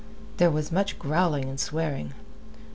There was much growling and swearing.